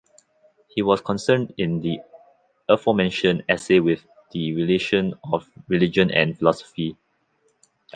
He was concerned in the aforementioned essay with the relation of religion and philosophy.